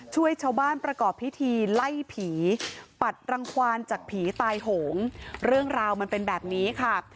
ช่วยชาวบ้านประกอบพิธีไล่ผีปัดรังควานจากผีตายโหงเรื่องราวมันเป็นแบบนี้ค่ะ